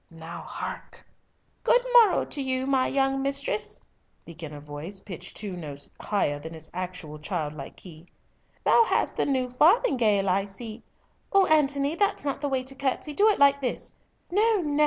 now hark!" "Good morrow to you, my young mistress," began a voice pitched two notes higher than its actual childlike key. "Thou hast a new farthingale, I see! O Antony, that's not the way to curtsey—do it like this. No no!